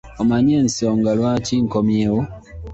Omanyi ensonga lwaki nkomyewo?